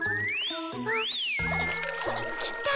あっきた。